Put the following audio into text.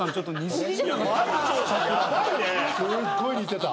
すっごい似てた。